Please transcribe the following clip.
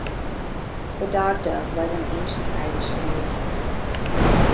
The Dagda was an ancient Irish deity.